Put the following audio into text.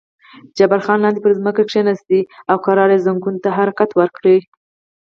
جبار خان لاندې پر ځمکه کېناست او ورو یې زنګون ته حرکات ورکړل.